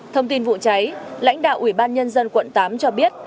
thông tin vụ cháy lãnh đạo ủy ban nhân dân quận tám cho biết